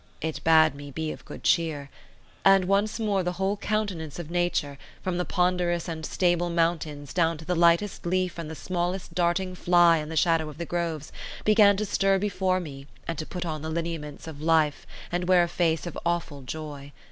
It bade me be of good cheer. And once more the whole countenance of nature, from the ponderous and stable mountains down to the lightest leaf and the smallest darting fly in the shadow of the groves, began to stir before me and to put on the lineaments of life and wear a face of awful joy.